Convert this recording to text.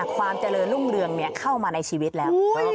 ความเจริญรุ่งเรืองเข้ามาในชีวิตแล้ว